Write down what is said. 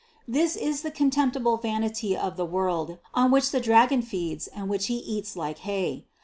This is the contemptible vanity of the world, on which the dragon feeds and which he eats like hay.